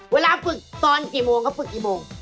เวลาฝึกตอนกี่โมงก็ฝึกกี่โมง